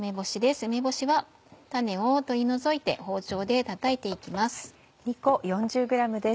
梅干しは種を取り除いて包丁でたたいて行きます。